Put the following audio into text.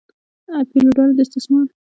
فیوډالانو د استثمار له لارې اړتیاوې پوره کولې.